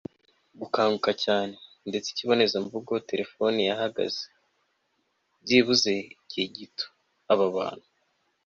gukanguka cyane. ndetse ikibonezamvugo-terefone yarahagaze - byibuze igihe gito. aba bantu